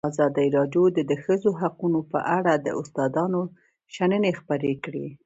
ازادي راډیو د د ښځو حقونه په اړه د استادانو شننې خپرې کړي.